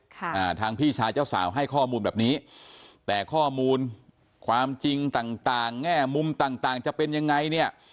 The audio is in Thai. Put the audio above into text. อ่าทางพี่ชายเจ้าสาวให้ข้อมูลแบบนี้แต่ข้อมูลความจริงต่างต่างแง่มุมต่างต่างจะเป็นยังไงเนี่ย